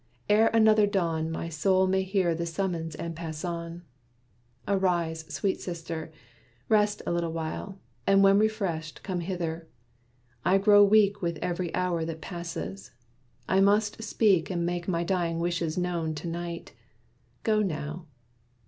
Ere another dawn My soul may hear the summons and pass on. Arise, sweet sister! rest a little while, And when refreshed, come hither. I grow weak With every hour that passes. I must speak And make my dying wishes known to night. Go now."